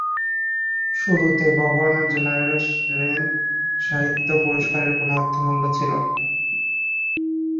শুরুতে governor general সাহিত্য পুরস্কারের কোনো অর্থমূল্য ছিল না।